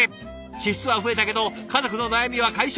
「支出は増えたけど家族の悩みは解消。